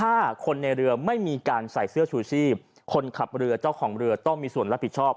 ถ้าคนในเรือไม่มีการใส่เสื้อชูชีพคนขับเรือเจ้าของเรือต้องมีส่วนรับผิดชอบ